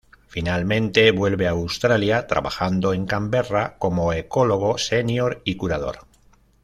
Finalmente vuelve a Australia, trabajando en Camberra como ecólogo senior y curador.